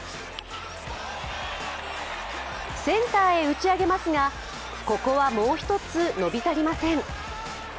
センターへ打ち上げますがここはもうひとつ伸び足りません。